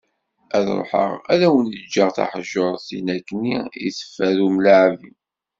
Ad ruḥeγ ad awen-ğğeγ taḥjurt, tin akken i teffer umlaԑbi.